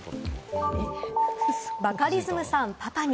バカリズムさんパパに！